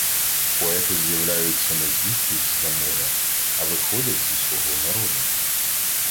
Поети з’являються не звідкись з-за моря, а виходять зі свого народу.